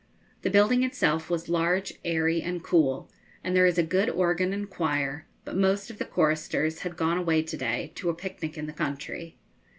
The building itself was large, airy, and cool, and there is a good organ and choir, but most of the choristers had gone away to day to a picnic in the country.